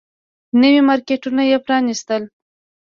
نوي مارکيټونه يې پرانيستل.